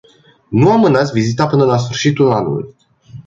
Nu amânați vizita până la sfârșitul anului.